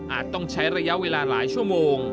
ต้องใช้ระยะเวลาหลายชั่วโมง